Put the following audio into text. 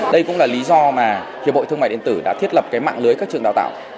đây cũng là lý do mà hiệp hội thương mại điện tử đã thiết lập cái mạng lưới các trường đào tạo